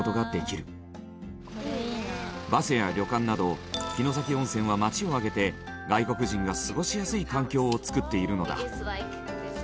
バスや旅館など城崎温泉は街を挙げて外国人が過ごしやすい環境を作っているのだ。